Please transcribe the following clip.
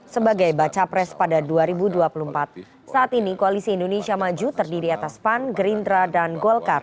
sebagai baca pres pada dua ribu dua puluh empat saat ini koalisi indonesia maju terdiri atas pan gerindra dan golkar